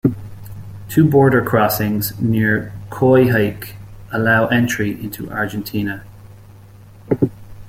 Two border crossings near Coyhaique allow entry into Argentina.